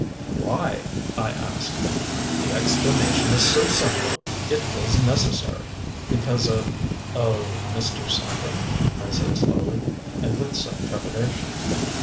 "Why?" I asked. "The explanation is so simple: it was necessary." "Because of of Mr. Saffren?" I said slowly, and with some trepidation.